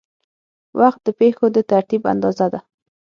وخت د پېښو د ترتیب اندازه ده.